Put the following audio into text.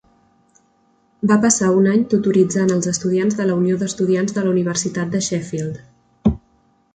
Va passar un any tutoritzant als estudiants de la Unió d'Estudiants de la Universitat de Sheffield.